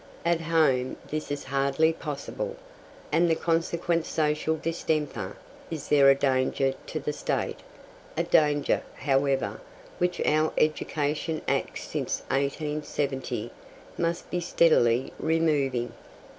At Home this is hardly possible, and the consequent social distemper is there a danger to the State a danger, however, which our Education Acts since 1870 must be steadily removing.